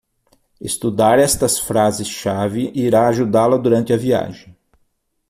Estudar estas frases-chave irá ajudá-lo durante a viagem.